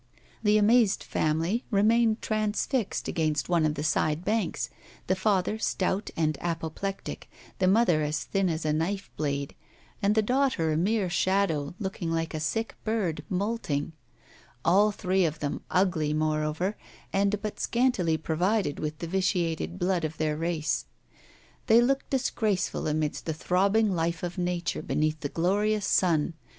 The amazed family remained transfixed against one of the side banks, the father stout and apoplectic, the mother as thin as a knife blade, and the daughter, a mere shadow, looking like a sick bird moulting all three of them ugly, moreover, and but scantily provided with the vitiated blood of their race. They looked disgraceful amidst the throbbing life of nature, beneath the glorious sun.